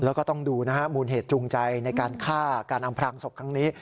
แล้วก็ต้องดูนะฮะมูลเหตุจูงใจในการฆ่าการอำพรางศพครั้งนี้